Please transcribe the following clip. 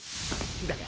だが！